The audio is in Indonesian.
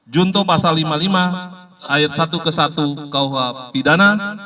junto pasal lima puluh lima ayat satu ke satu kuh pidana